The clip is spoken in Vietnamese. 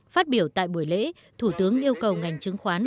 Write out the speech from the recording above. phát biểu tại buổi lễ thủ tướng yêu cầu ngành chứng khoán